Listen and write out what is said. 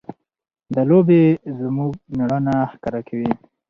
دا لوبې زموږ مېړانه ښکاره کوي.